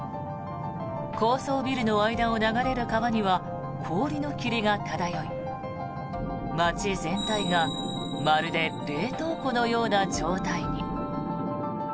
高層ビルの間を流れる川には氷の霧が漂い街全体がまるで冷凍庫のような状態に。